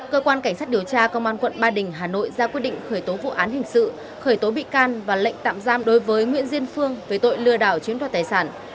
cơ quan cảnh sát điều tra công an quận ba đình hà nội ra quyết định khởi tố vụ án hình sự khởi tố bị can và lệnh tạm giam đối với nguyễn diên phương về tội lừa đảo chiếm đoạt tài sản